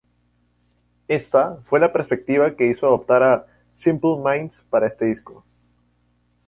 Esta fue la perspectiva que hizo adoptar a Simple Minds para este disco.